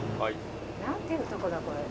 何ていうとこだこれ？